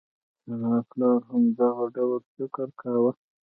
زما پلار هم دغه ډول فکر کاوه.